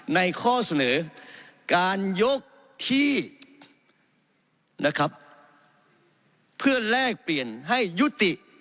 ข้อเสนอการยกที่นะครับเพื่อแลกเปลี่ยนให้ยุติ